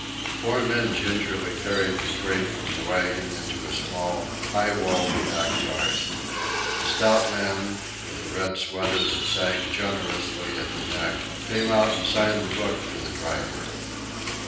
Four men gingerly carried the crate from the wagon into a small, high walled back yard. A stout man, with a red sweater that sagged generously at the neck, came out and signed the book for the driver.